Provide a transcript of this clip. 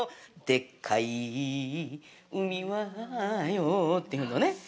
でっかい海はヨっていうのね。